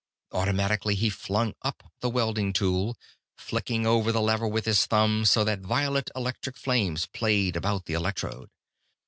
Automatically be flung up the welding tool, flicking over the lever with his thumb, so that violet electric flame played about the electrode.